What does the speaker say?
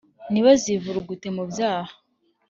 ntibazivurugute mu byaha.